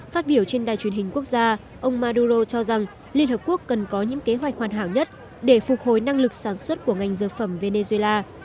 phát biểu trên đài truyền hình quốc gia ông maduro cho rằng liên hợp quốc cần có những kế hoạch hoàn hảo nhất để phục hồi năng lực sản xuất của ngành dược phẩm venezuela